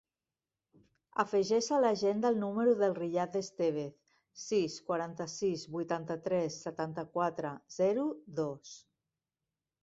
Afegeix a l'agenda el número del Riyad Estevez: sis, quaranta-sis, vuitanta-tres, setanta-quatre, zero, dos.